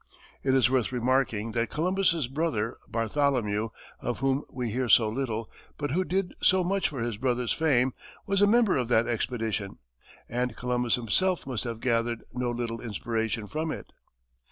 It is worth remarking that Columbus's brother, Bartholomew, of whom we hear so little, but who did so much for his brother's fame, was a member of that expedition, and Columbus himself must have gathered no little inspiration from it.